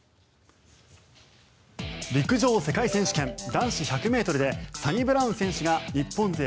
陸上世界選手権男子１００ｍでサニブラウン選手が日本勢